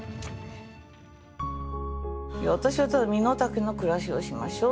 私はただ身の丈の暮らしをしましょう。